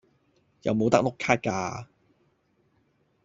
有冇得碌卡㗎